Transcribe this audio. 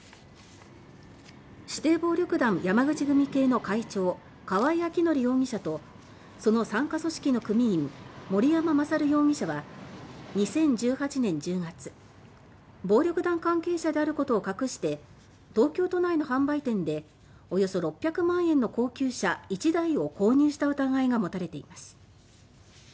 指定暴力団山口組系の会長川合彰典容疑者とその傘下組織の組員森山勝容疑者は２０１８年１０月暴力団関係者であることを隠して東京都内の販売店でおよそ６００万円の高級車１台を購入した疑いが持たれています。